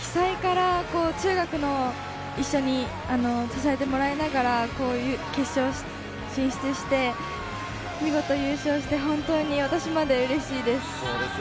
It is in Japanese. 被災から中学の一緒に支えてもらいながら、決勝進出して、見事優勝して、本当に私までうれしいです。